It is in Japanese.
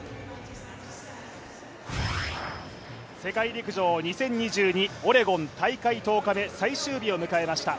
世界陸上２０２２オレゴン大会１０日目、最終日を迎えました。